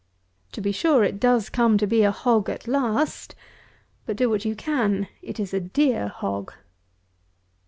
To be sure it does come to be a hog at last; but, do what you can, it is a dear hog.